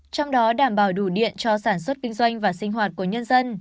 trong đó đảm bảo đủ điện cho sản xuất kinh doanh và sinh hoạt của nhân dân